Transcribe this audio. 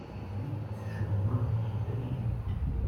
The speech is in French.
huit chemin de Pellebuzan